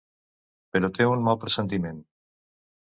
Però té un mal pressentiment.